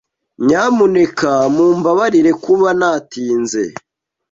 Nyamuneka mumbabarire kuba natinze.